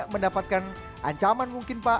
mendapatkan ancaman mungkin pak